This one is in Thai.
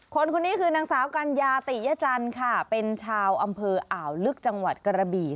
คนนี้คือนางสาวกัญญาติยจันทร์ค่ะเป็นชาวอำเภออ่าวลึกจังหวัดกระบี่